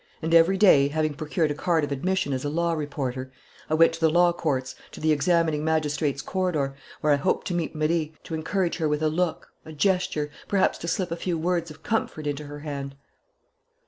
And every day, having procured a card of admission as a law reporter, I went to the law courts, to the examining magistrates' corridor, where I hoped to meet Marie, to encourage her with a look, a gesture, perhaps to slip a few words of comfort into her hand...."